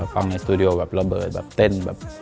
ฟังในสตูดิโอแบบระเบิดแบบเต้นแบบ